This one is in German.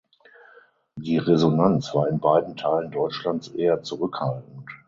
Die Resonanz war in beiden Teilen Deutschlands eher zurückhaltend.